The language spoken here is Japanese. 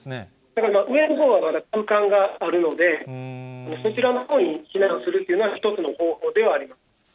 だから上のほうはまだ空間があるので、そちらのほうに避難するというのは、一つの方法ではあります。